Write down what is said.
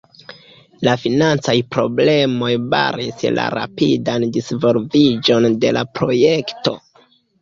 La financaj problemoj baris la rapidan disvolviĝon de la projekto.